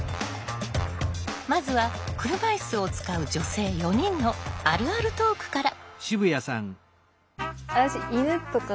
まずは車いすを使う女性４人の「あるあるトーク」から。